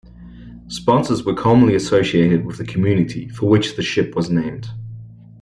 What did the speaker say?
Sponsors were commonly associated with the community for which the ship was named.